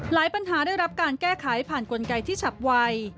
ปัญหาได้รับการแก้ไขผ่านกลไกที่ฉับไว